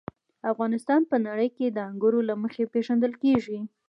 افغانستان په نړۍ کې د انګورو له مخې پېژندل کېږي.